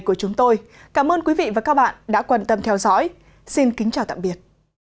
của chúng tôi cảm ơn quý vị và các bạn đã quan tâm theo dõi xin kính chào tạm biệt